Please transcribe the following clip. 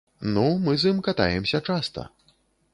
Ну, мы з ім катаемся часта.